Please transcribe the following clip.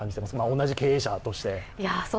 同じ経営者として。